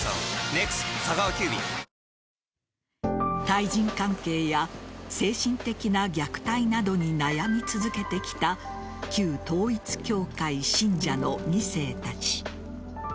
対人関係や精神的な虐待などに悩み続けてきた旧統一教会信者の２世たち。